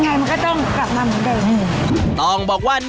ยังไงมันก็ต้องกลับมาเหมือนเดิม